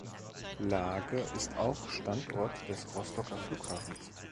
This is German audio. Laage ist auch Standort des Rostocker Flughafens.